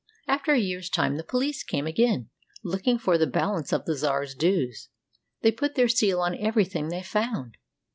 After a year's time the police came again, looking for the bal ance of the czar's dues. They put their seal on every thing they found.